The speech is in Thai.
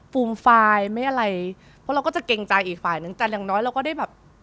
ฟูมฟายไม่อะไรเพราะเราก็จะเกรงใจอีกฝ่ายนึงแต่อย่างน้อยเราก็ได้แบบ